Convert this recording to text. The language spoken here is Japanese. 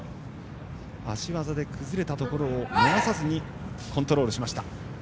足技で崩れたところを逃さずにコントロールしました。